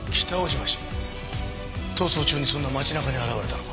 逃走中にそんな街なかに現れたのか？